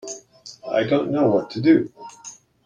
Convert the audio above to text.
I didn't know what to do.